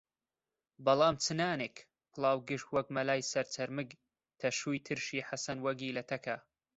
بەڵام چ نانێک، پڵاو گشت وەک مەلای سەرچەرمگ تەشوی ترشی حەسەن وەگی لە تەکا